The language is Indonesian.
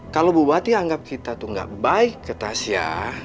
kalau bawati anggap kita tuh gak baik ke tasya